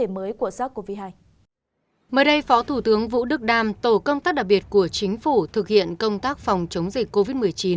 mới đây phó thủ tướng vũ đức đam tổ công tác đặc biệt của chính phủ thực hiện công tác phòng chống dịch covid một mươi chín